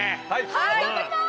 はい頑張ります！